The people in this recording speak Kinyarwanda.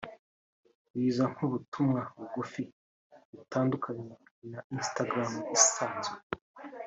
biza nk’ubutumwa bugufi bitandukanye na Instagram isanzwe